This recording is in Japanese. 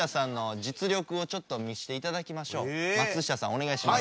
おねがいします。